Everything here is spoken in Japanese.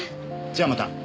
じゃあまた。